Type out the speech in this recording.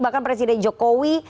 bahkan presiden jokowi